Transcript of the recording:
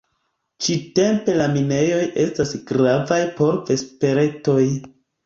Ĉi-tempe la minejoj estas gravaj por vespertoj.